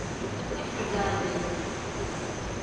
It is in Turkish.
Hiç güzel değil.